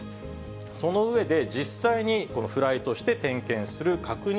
その上で、実際にこのフライトして点検する確認